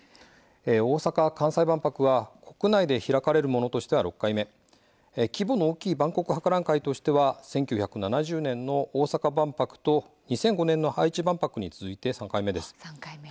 大阪・関西万博は国内で開かれるものとしては６回目規模の大きい万国博覧会としては１９７０年の大阪万博と２００５年の愛知万博に続いて３回目です。